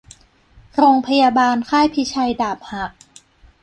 โรงพยาบาลค่ายพิชัยดาบหัก